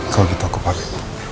kalau gitu aku panggil